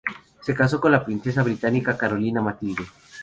Se casó con la princesa británica Carolina Matilde.